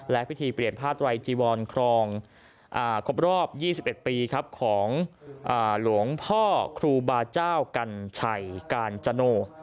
และพิธีเปลี่ยนผ้าไตรจีวรครองครบรอบ๒๑ปีของหลวงพ่อครูบาเจ้ากัญชัยกาญจโน